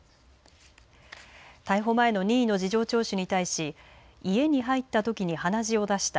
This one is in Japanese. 逮捕前の任意の事情聴取に対し家に入ったときに鼻血を出した。